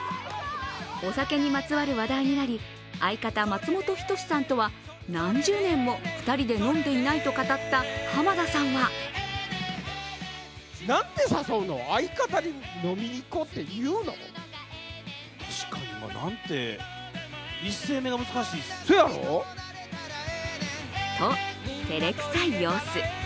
お酒にまつわる話題になり、相方、松本人志さんとは何十年も２人で飲んでいないと語った浜田さんはと照れくさい様子。